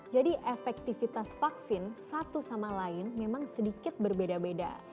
jadi efektifitas vaksin satu sama lain memang sedikit berbeda beda